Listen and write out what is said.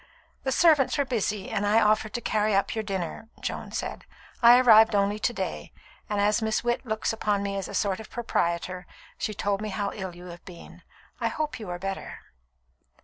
"The servants were busy, and I offered to carry up your dinner," Joan said. "I arrived only to day; and as Miss Witt looks upon me as a sort of proprietor, she told me how ill you have been. I hope you are better."